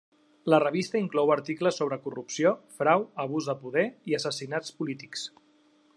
La revista inclou articles sobre corrupció, frau, abús de poder i assassinats polítics.